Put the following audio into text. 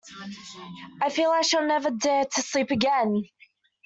I feel I shall never dare to sleep again!